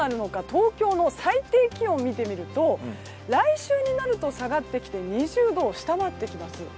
東京の最低気温を見てみると来週になると下がってきて２０度を下回ってきます。